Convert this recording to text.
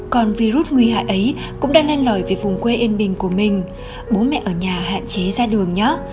còn virus nguy hại ấy cũng đang lên lời về vùng quê yên bình của mình bố mẹ ở nhà hạn chế ra đường nhớt